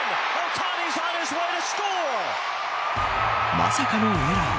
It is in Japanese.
まさかのエラー。